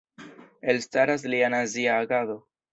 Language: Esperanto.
Elstaras lia nazia agado.